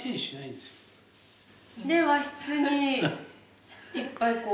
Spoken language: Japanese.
で和室にいっぱいこう。